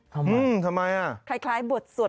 ทำไมล่ะไขลมบดง่อ